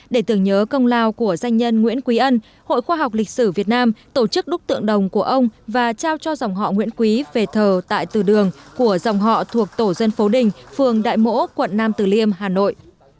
để tưởng nhớ công lao của danh nhân nguyễn quý ân hội khoa học lịch sử việt nam tổ chức đúc tượng đồng của ông và trao cho dòng họ nguyễn quý về thờ tại từ đường của dòng họ thuộc tổ dân phố đình phường đại mỗ quận nam từ liêm hà nội